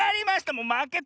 もうまけた。